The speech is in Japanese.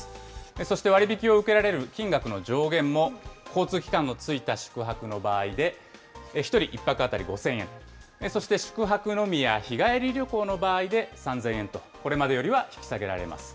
そして割引を受けられる金額の上限も、交通機関の付いた宿泊の場合で１人１泊当たり５０００円、そして宿泊のみや日帰り旅行の場合で３０００円と、これまでよりは引き下げられます。